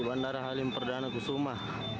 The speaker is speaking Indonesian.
bandara halim perdana kusuma